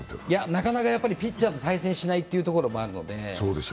なかなかピッチャーも対戦しないというところもあるので。